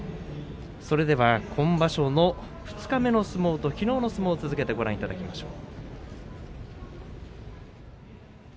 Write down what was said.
今場所の二日目の相撲ときのうの相撲を続けてご覧いただきましょう。